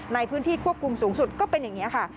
ในพื้นที่ควบคุมสูงสุดก็เป็นอย่างนี้ค่ะ